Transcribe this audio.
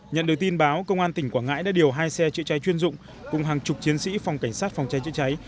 nhận được tin báo công an tỉnh quảng ngãi đã điều hai xe chữa cháy chuyên dụng cùng hàng chục chiến sĩ phòng cảnh sát phòng cháy chữa cháy